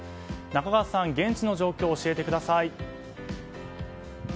中川さん、現地の状況を教えてください。